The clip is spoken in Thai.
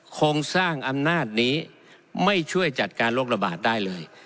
โครงสร้างอำนาจนี้ไม่ช่วยจัดการโรคระบาดได้เลย